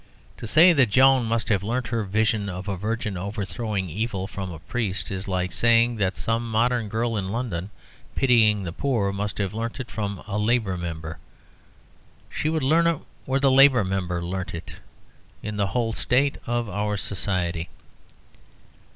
To say that Joan must have learnt her vision of a virgin overthrowing evil from a priest, is like saying that some modern girl in London, pitying the poor, must have learnt it from a Labour Member. She would learn it where the Labour Member learnt it in the whole state of our society.